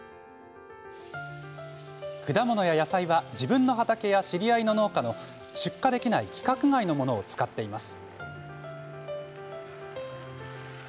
果物や野菜は自分の畑や知り合いの農家の出荷できない規格外のものを使っています。